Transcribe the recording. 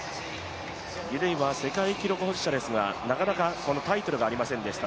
ギデイは世界記録保持者ですがなかなかタイトルがありませんでした。